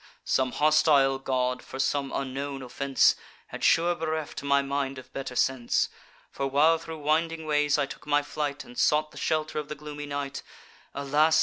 Some hostile god, for some unknown offence, Had sure bereft my mind of better sense; For, while thro' winding ways I took my flight, And sought the shelter of the gloomy night, Alas!